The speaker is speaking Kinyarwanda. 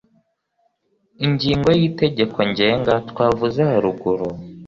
Ingingo ya y'itegeko ngenga twavuze haruguru